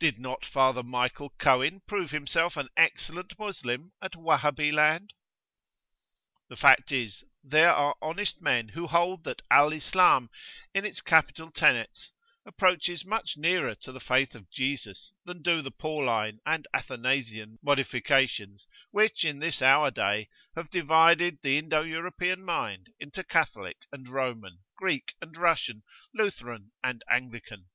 Did not Father Michael Cohen prove himself an excellent Moslem at Wahhabi land? The fact is, there are honest men who hold that Al Islam, [p.xxiii]in its capital tenets, approaches much nearer to the faith of Jesus than do the Pauline and Athanasian modifications which, in this our day, have divided the Indo European mind into Catholic and Roman, Greek and Russian, Lutheran and Anglican.